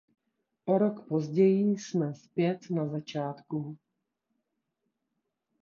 O rok později jsme zpět na začátku.